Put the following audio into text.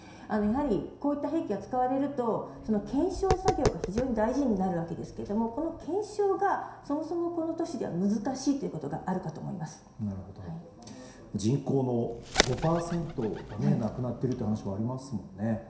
こういった兵器が使われると検証作業が非常に大事になるわけですがこの検証がそもそもこの都市では難しいということが人口の５％が亡くなっているという話もありますもんね。